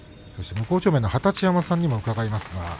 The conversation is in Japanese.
向正面の二十山さんにも伺います。